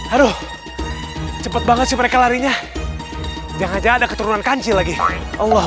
aduh cepet banget mereka larinya jangan ada keturunan kancil lagi allah